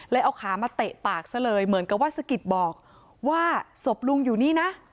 เอาขามาเตะปากซะเลยเหมือนกับว่าสะกิดบอกว่าศพลุงอยู่นี่นะ